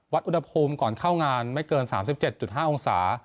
อุณหภูมิก่อนเข้างานไม่เกิน๓๗๕องศา